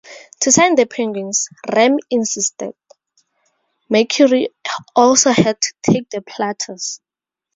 To sign the Penguins, Ram insisted, Mercury also had to take the Platters.